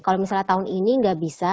kalau misalnya tahun ini nggak bisa